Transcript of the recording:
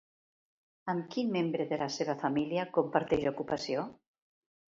Amb quin membre de la seva família comparteix ocupació?